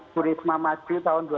turisma maju tahun dua ribu lima belas